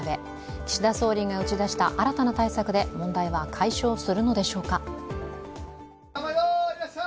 岸田総理が打ち出した新たな対策で問題は解消するのでしょうか。